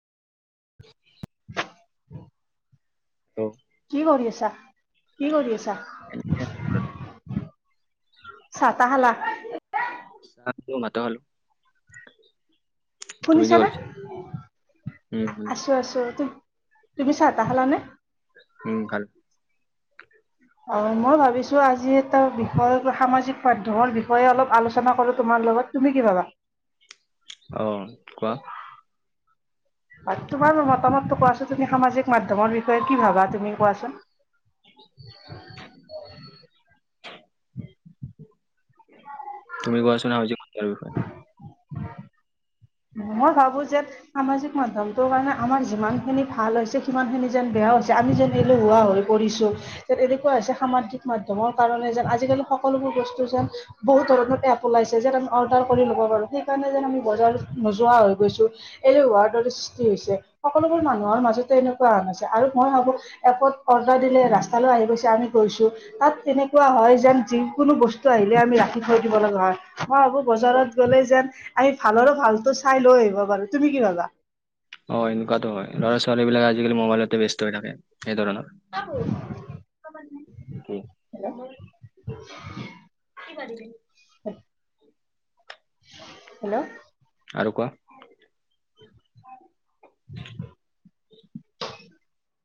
[inaudible] অ। কি কৰি আছা? কি কৰি আছা? এনেই আছো [unintelligible] চাহ তাহ খালা? [unintelligible] তুমি কি শুনিছানে? কৰিছা উম শুনিছো। আছো আছো, তু তুমি চাহ তাহ খালানে? উম গাল অঁ মই ভাবিছোঁ আজি এটা বিষয়ৰ সামাজিক মাধ্যমৰ বিষয়ে অলপ আলোচনা কৰোঁ তোমাৰ লগত। তুমি কি ভাবা? অঁ কোৱা। তোমাৰ মতামতটো কোৱাচোন তুমি সামাজিক মাধ্যমৰ বিষয়ে কি ভাবা তুমি কোৱাচোন? [unintelligible] তুমি কোৱাচোন [unintelligible] বিষয় মই ভাবো যে সামাজিক মাধ্যমটোৰ মানে আমাৰ যিমান খিনি ভাল হৈছে সিমান খিনি যেন বেয়া হৈছে, আমি যেন এলেহুৱা হৈ পৰিছো, এনেকুৱা হৈছে সামাজিক মাধ্যমৰ কাৰণে যেন আজিকালি সকলোবোৰ বস্তু যেন বহুত ধৰণত এপ ওলাইছে যেন আমি অৰ্ডাৰ কৰি ল'ব পাৰোঁ, সেইকাৰণে যেন আমি বজাৰ নোযোৱা হৈ গৈছো, এলেহুাৰ দৰে সৃষ্টি হৈছে। সকলোবোৰ মানুহৰ মাজতে এন কোৱা হৈছে, আৰু মই ভাবো এপত অৰ্ডাৰ দিলে ৰাস্তালৈ আহি গৈছে আমি গৈছোঁ, তাত তেনেকুৱা হয় যেন যি কোনো বস্তু আহিলে আমি ৰাখি থৈ দিব লগা হয়, মই ভাবোঁ অ বজাৰত গ'লে যেন আমি ভালৰো ভাল টো চাই লৈ আহিব পাৰো। তুমি কি ভাবা? অ এনেকুৱাতো হয়, ল'ৰা ছোৱালী বিলাক আজিকালি মুবাইলতে ব্যস্ত হৈ থাকে সেই ধৰণৰ। অ বৌ [inaudible] কি? হেল্ল' [unintelligible] কি জানিবি? [inaudible] হেল্ল। আৰু কোৱা। [inaudible]